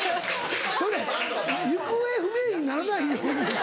それ行方不明にならないようにでしょ？